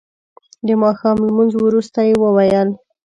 د ماښام لمونځ وروسته یې وویل.